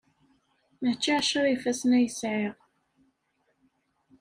Mačči ɛecra ifassen ay sɛiɣ!